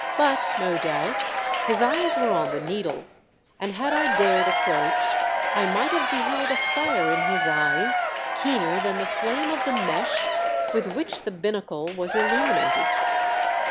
But, no doubt, his eyes were on the needle, and had I dared approach, I might have beheld a fire in his eyes keener than the flame of the mesh with which the binnacle was illuminated.